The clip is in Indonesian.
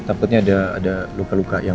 takutnya ada luka luka yang